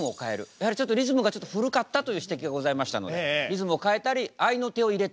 やはりちょっとリズムがちょっと古かったという指摘がございましたのでリズムを変えたりあいの手を入れたりと。